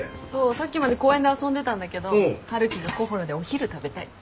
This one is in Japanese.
さっきまで公園で遊んでたんだけど春樹がＫｏｈｏｌａでお昼食べたいって。